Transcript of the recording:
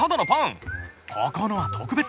ここのは特別なんだ！